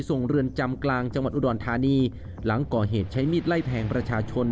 เรือนจำกลางจังหวัดอุดรธานีหลังก่อเหตุใช้มีดไล่แทงประชาชน